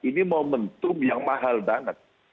ini momentum yang mahal banget